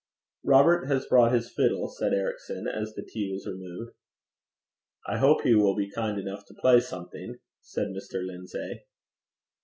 'Robert has brought his fiddle,' said Ericson, as the tea was removed. 'I hope he will be kind enough to play something,' said Mr. Lindsay.